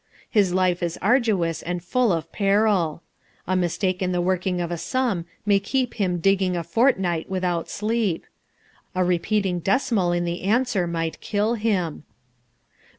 His life is arduous and full of peril. A mistake in the working of a sum may keep him digging a fortnight without sleep. A repeating decimal in the answer might kill him.